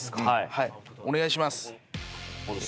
はいお願いします。